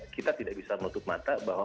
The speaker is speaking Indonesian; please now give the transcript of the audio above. kita tidak bisa menutup mata bahwa